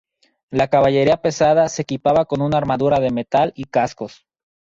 La caballería pesada se equipaba con una armadura de metal y cascos.